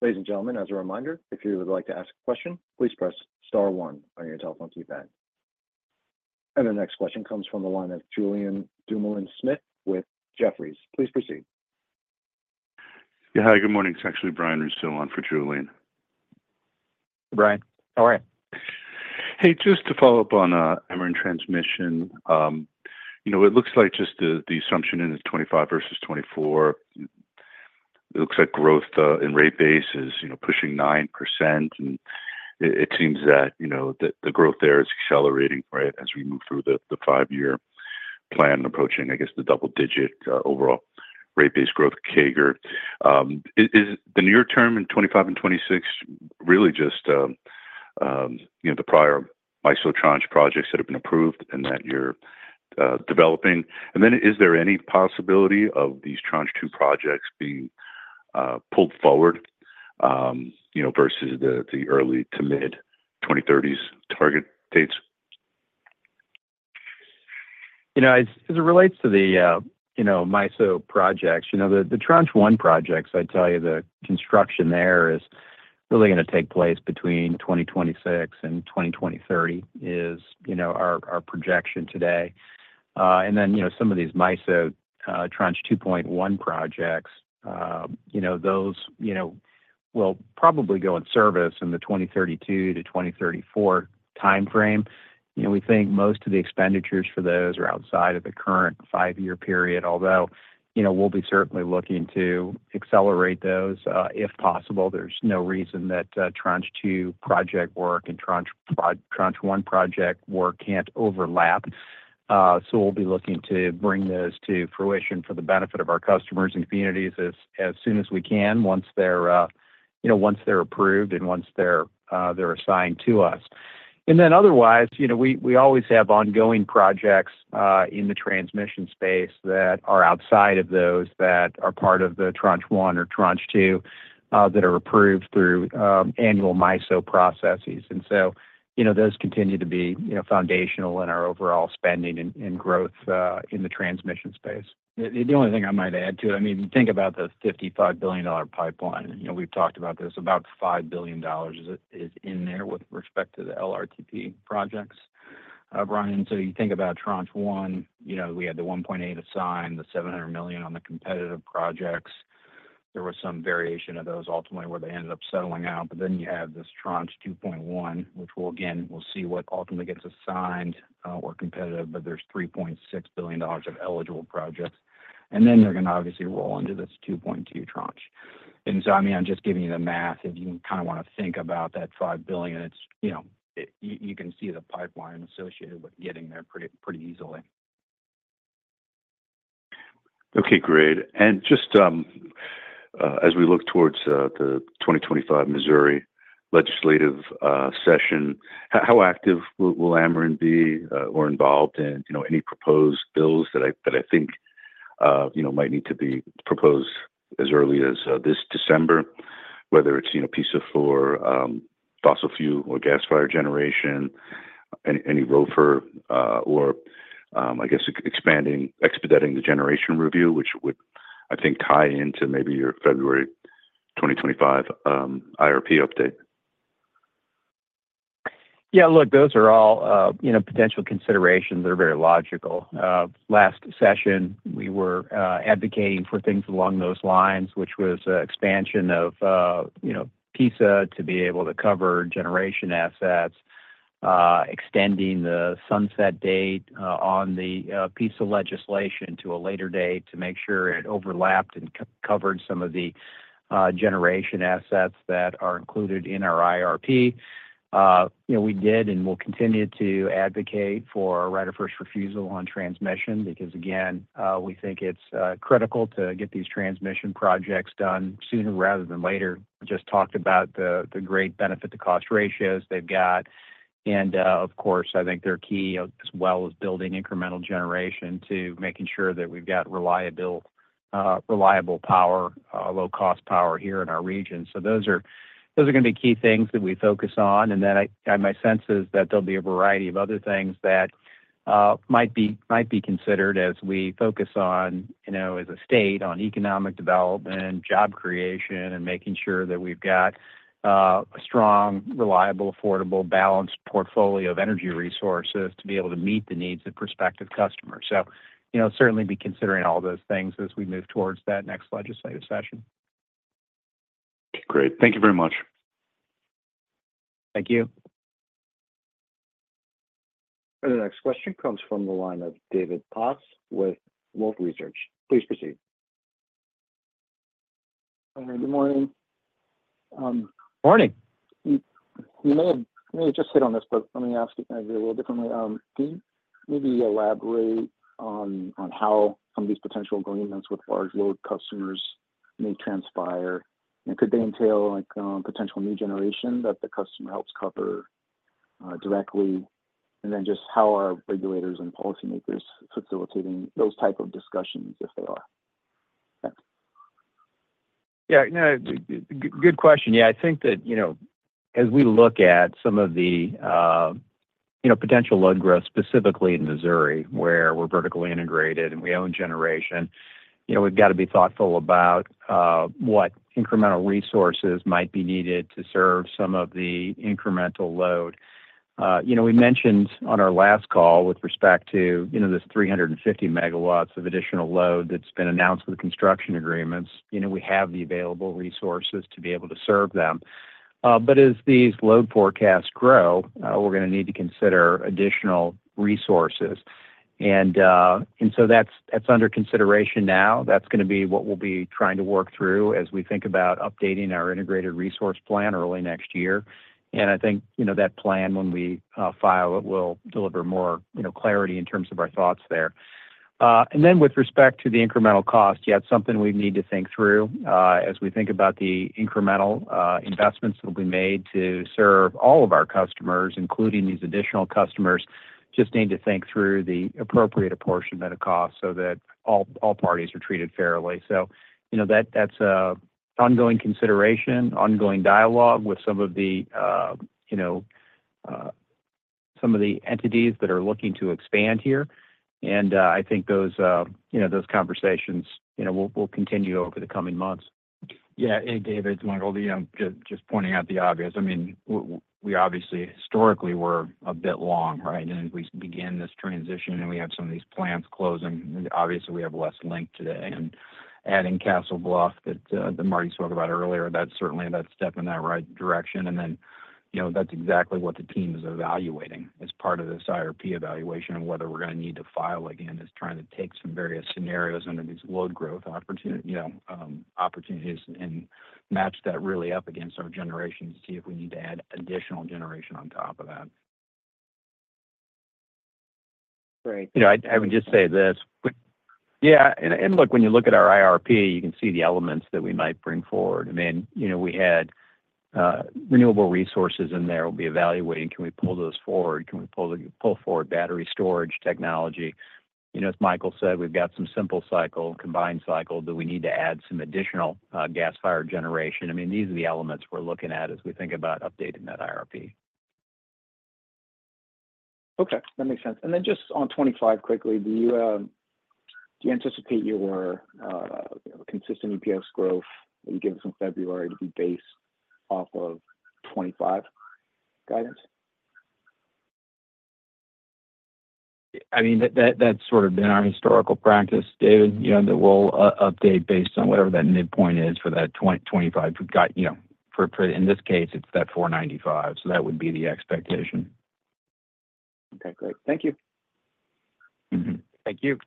Ladies and gentlemen, as a reminder, if you would like to ask a question, please press star one on your telephone keypad. The next question comes from the line of Julian Dumoulin-Smith with Jefferies. Please proceed. Yeah. Hi. Good morning. It's actually Brian Russo for Julian. Brian. How are you? Hey, just to follow up on Ameren Transmission, it looks like just the assumption in the 2025 versus 2024, it looks like growth in rate base is pushing 9%. And it seems that the growth there is accelerating as we move through the five-year plan and approaching, I guess, the double-digit overall rate-based growth CAGR. Is the near term in 2025 and 2026 really just the prior MISO Tranche projects that have been approved and that you're developing? And then is there any possibility of these Tranche 2 projects being pulled forward versus the early to mid-2030s target dates? As it relates to the MISO projects, the Tranche 1 projects, I'd tell you the construction there is really going to take place between 2026 and 2030 is our projection today. And then some of these MISO Tranche 2.1 projects, those will probably go in service in the 2032 to 2034 timeframe. We think most of the expenditures for those are outside of the current five-year period, although we'll be certainly looking to accelerate those if possible. There's no reason that Tranche 2 project work and Tranche 1 project work can't overlap. So we'll be looking to bring those to fruition for the benefit of our customers and communities as soon as we can, once they're approved and once they're assigned to us. And then otherwise, we always have ongoing projects in the transmission space that are outside of those that are part of the Tranche 1 or Tranche 2 that are approved through annual MISO processes. And so those continue to be foundational in our overall spending and growth in the transmission space. The only thing I might add to it, I mean, think about the $55 billion pipeline. We've talked about this. About $5 billion is in there with respect to the LRTP projects. Brian, so you think about Tranche 1, we had the $1.8 billion assigned, the $700 million on the competitive projects. There was some variation of those ultimately where they ended up settling out. But then you have this tranche 2.1, which will, again, we'll see what ultimately gets assigned or competitive, but there's $3.6 billion of eligible projects. And then they're going to obviously roll into this 2.2 tranche. And so, I mean, I'm just giving you the math. If you kind of want to think about that $5 billion, you can see the pipeline associated with getting there pretty easily. Okay. Great. And just as we look towards the 2025 Missouri legislative session, how active will Ameren be or involved in any proposed bills that I think might need to be proposed as early as this December, whether it's PISA for fossil fuel or gas-fired generation, any ROFR, or I guess expanding, expediting the generation review, which would, I think, tie into maybe your February 2025 IRP update. Yeah. Look, those are all potential considerations that are very logical. Last session, we were advocating for things along those lines, which was expansion of PISA to be able to cover generation assets, extending the sunset date on the PISA legislation to a later date to make sure it overlapped and covered some of the generation assets that are included in our IRP. We did and will continue to advocate for right-of-first refusal on transmission because, again, we think it's critical to get these transmission projects done sooner rather than later. Just talked about the great benefit-to-cost ratios they've got. And of course, I think they're key as well as building incremental generation to making sure that we've got reliable power, low-cost power here in our region. So those are going to be key things that we focus on. And then my sense is that there'll be a variety of other things that might be considered as we focus on, as a state, on economic development, job creation, and making sure that we've got a strong, reliable, affordable, balanced portfolio of energy resources to be able to meet the needs of prospective customers. So certainly be considering all those things as we move towards that next legislative session. Great. Thank you very much. Thank you. And the next question comes from the line of David Paz with Wolfe Research. Please proceed. Good morning. Morning. You may have just hit on this, but let me ask it kind of a little differently. Can you maybe elaborate on how some of these potential agreements with large load customers may transpire? And could they entail potential new generation that the customer helps cover directly? And then, just how are regulators and policymakers facilitating those type of discussions if they are? Yeah. Good question. Yeah. I think that as we look at some of the potential load growth, specifically in Missouri, where we're vertically integrated and we own generation, we've got to be thoughtful about what incremental resources might be needed to serve some of the incremental load. We mentioned on our last call with respect to this 350 MW of additional load that's been announced with the construction agreements. We have the available resources to be able to serve them. But as these load forecasts grow, we're going to need to consider additional resources. And so that's under consideration now. That's going to be what we'll be trying to work through as we think about updating our integrated resource plan early next year. I think that plan, when we file it, will deliver more clarity in terms of our thoughts there. Then with respect to the incremental cost, yet something we need to think through as we think about the incremental investments that will be made to serve all of our customers, including these additional customers, just need to think through the appropriate apportionment of costs so that all parties are treated fairly. That's an ongoing consideration, ongoing dialogue with some of the entities that are looking to expand here. I think those conversations will continue over the coming months. Yeah. Hey, David, it's Michael. Just pointing out the obvious. I mean, we obviously historically were a bit long, right? As we begin this transition and we have some of these plants closing, obviously, we have less long today. And adding Castle Bluff that Marty spoke about earlier, that's certainly that step in that right direction. And then that's exactly what the team is evaluating as part of this IRP evaluation and whether we're going to need to file again is trying to take some various scenarios under these load growth opportunities and match that really up against our generation to see if we need to add additional generation on top of that. Great. I would just say this. Yeah. And look, when you look at our IRP, you can see the elements that we might bring forward. I mean, we had renewable resources in there we'll be evaluating. Can we pull those forward? Can we pull forward battery storage technology? As Michael said, we've got some simple cycle, combined cycle. Do we need to add some additional gas-fired generation? I mean, these are the elements we're looking at as we think about updating that IRP. Okay. That makes sense. And then just on 25 quickly, do you anticipate your consistent EPS growth that you give us in February to be based off of 25 guidance? I mean, that's sort of been our historical practice, David, that we'll update based on whatever that midpoint is for that 25. In this case, it's that 4.95. So that would be the expectation. Okay. Great. Thank you. Thank you.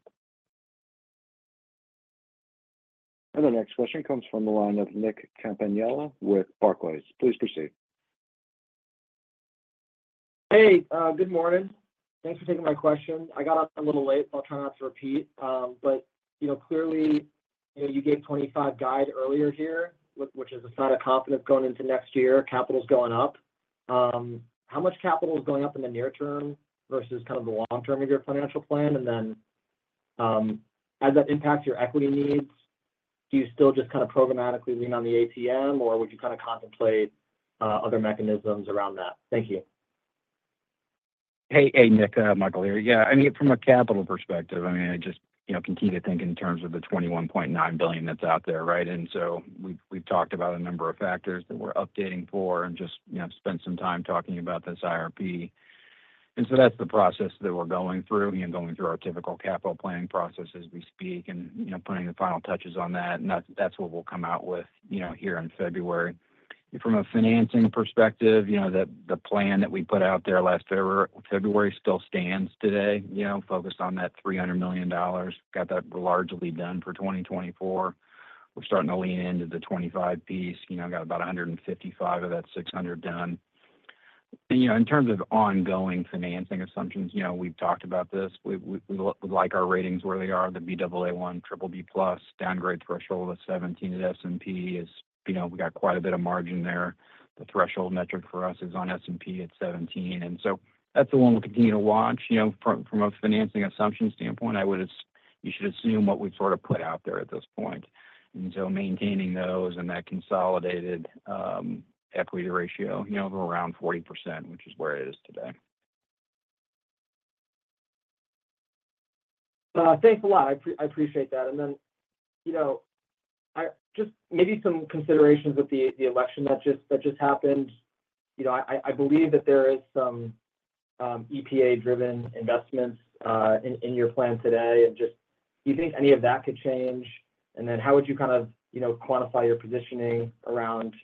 And the next question comes from the line of Nick Campanella with Barclays. Please proceed. Hey. Good morning. Thanks for taking my question. I got up a little late, so I'll try not to repeat. But clearly, you gave 25 guide earlier here, which is a sign of confidence going into next year. Capital's going up. How much capital is going up in the near term versus kind of the long term of your financial plan? And then as that impacts your equity needs, do you still just kind of programmatically lean on the ATM, or would you kind of contemplate other mechanisms around that? Thank you. Hey, Nick, Michael here. Yeah. I mean, from a capital perspective, I mean, I just continue to think in terms of the $21.9 billion that's out there, right? And so we've talked about a number of factors that we're updating for and just spent some time talking about this IRP. And so that's the process that we're going through, going through our typical capital planning process as we speak and putting the final touches on that. And that's what we'll come out with here in February. From a financing perspective, the plan that we put out there last February still stands today, focused on that $300 million. Got that largely done for 2024. We're starting to lean into the '25 piece. Got about 155 of that 600 done. In terms of ongoing financing assumptions, we've talked about this. We like our ratings where they are, the BAA1, BBB Plus, downgrade threshold of 17 at S&P is we got quite a bit of margin there. The threshold metric for us is on S&P at 17. And so that's the one we'll continue to watch. From a financing assumption standpoint, you should assume what we've sort of put out there at this point. And so maintaining those and that consolidated equity ratio of around 40%, which is where it is today. Thanks a lot. I appreciate that. And then just maybe some considerations with the election that just happened. I believe that there is some EPA-driven investments in your plan today. And just do you think any of that could change? And then how would you kind of quantify your positioning around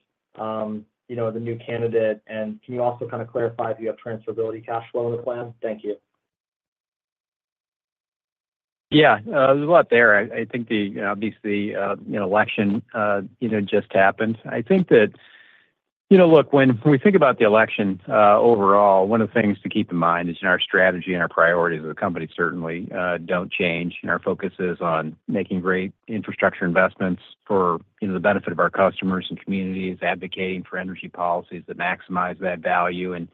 the new candidate? And can you also kind of clarify if you have transferability cash flow in the plan? Thank you. Yeah. There's a lot there. I think obviously the election just happened. I think that, look, when we think about the election overall, one of the things to keep in mind is our strategy and our priorities as a company certainly don't change. And our focus is on making great infrastructure investments for the benefit of our customers and communities, advocating for energy policies that maximize that value. And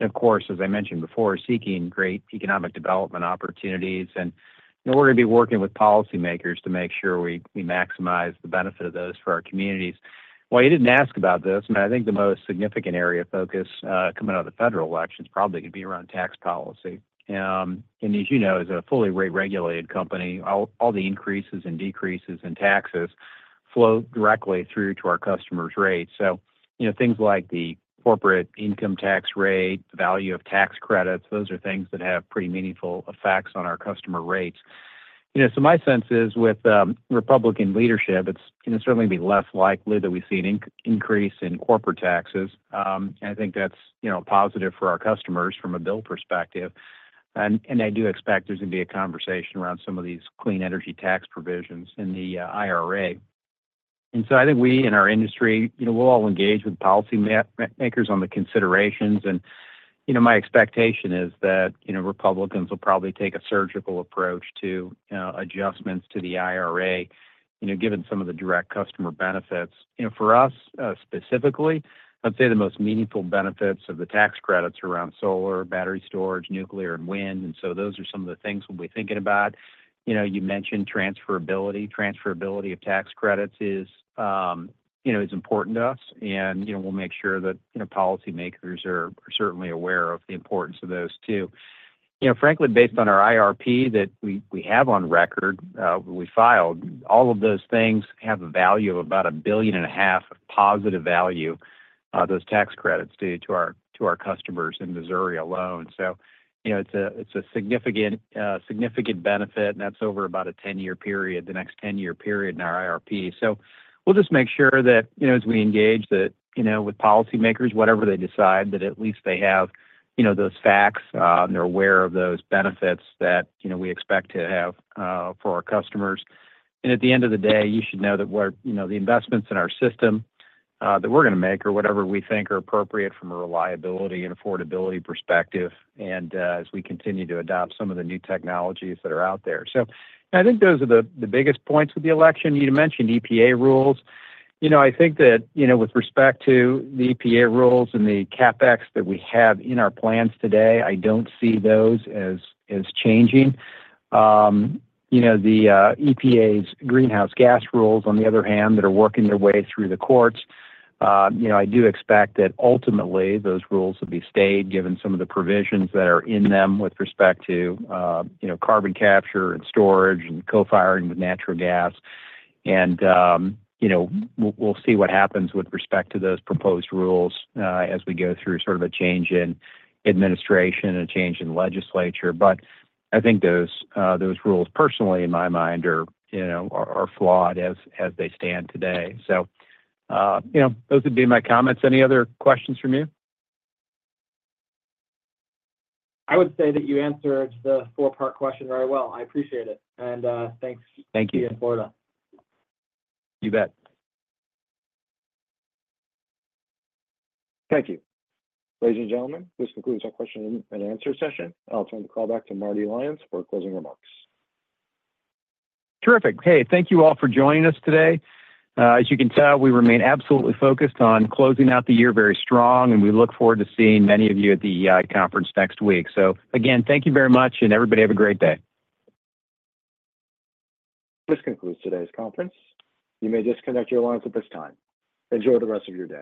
of course, as I mentioned before, seeking great economic development opportunities. We're going to be working with policymakers to make sure we maximize the benefit of those for our communities. You didn't ask about this. I mean, I think the most significant area of focus coming out of the federal election is probably going to be around tax policy. As you know, as a fully rate-regulated company, all the increases and decreases in taxes flow directly through to our customers' rates. Things like the corporate income tax rate, the value of tax credits, those are things that have pretty meaningful effects on our customer rates. My sense is with Republican leadership, it's certainly going to be less likely that we see an increase in corporate taxes. I think that's positive for our customers from a bill perspective. And I do expect there's going to be a conversation around some of these clean energy tax provisions in the IRA. And so I think we in our industry, we'll all engage with policymakers on the considerations. And my expectation is that Republicans will probably take a surgical approach to adjustments to the IRA, given some of the direct customer benefits. For us specifically, I'd say the most meaningful benefits of the tax credits are around solar, battery storage, nuclear, and wind. And so those are some of the things we'll be thinking about. You mentioned transferability. Transferability of tax credits is important to us. And we'll make sure that policymakers are certainly aware of the importance of those too. Frankly, based on our IRP that we have on record we filed, all of those things have a value of about $1.5 billion of positive value, those tax credits due to our customers in Missouri alone, so it's a significant benefit and that's over about a 10-year period, the next 10-year period in our IRP. So we'll just make sure that as we engage with policymakers, whatever they decide, that at least they have those facts and they're aware of those benefits that we expect to have for our customers. And at the end of the day, you should know that the investments in our system that we're going to make or whatever we think are appropriate from a reliability and affordability perspective and as we continue to adopt some of the new technologies that are out there. So I think those are the biggest points with the election. You mentioned EPA rules. I think that with respect to the EPA rules and the CapEx that we have in our plans today, I don't see those as changing. The EPA's greenhouse gas rules, on the other hand, that are working their way through the courts, I do expect that ultimately those rules will be stayed given some of the provisions that are in them with respect to carbon capture and storage and co-firing with natural gas. And we'll see what happens with respect to those proposed rules as we go through sort of a change in administration and a change in legislature. But I think those rules, personally, in my mind, are flawed as they stand today. So those would be my comments. Any other questions from you? I would say that you answered the four-part question very well. I appreciate it, and thanks. Thank you. You bet. Thank you. Ladies and gentlemen, this concludes our question and answer session. I'll turn the call back to Marty Lyons for closing remarks. Terrific. Hey, thank you all for joining us today. As you can tell, we remain absolutely focused on closing out the year very strong and we look forward to seeing many of you at the EEI conference next week, so again, thank you very much and everybody have a great day. This concludes today's conference. You may disconnect your lines at this time. Enjoy the rest of your day.